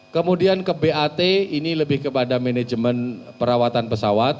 kemudian ke bat ini lebih kepada manajemen perawatan pesawat